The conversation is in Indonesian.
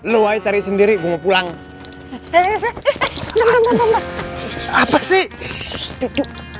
luwai cari sendiri mau pulang apa sih